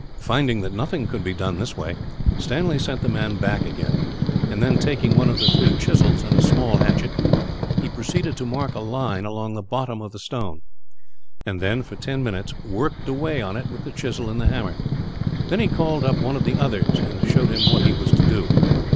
Finding that nothing could be done this way, Stanley sent the man back again; and then, taking one of the three chisels and a small hatchet, he proceeded to mark a line along the bottom of the stone; and then, for ten minutes, worked away on it with the chisel and hammer. Then he called up one of the others, and showed him what he was to do.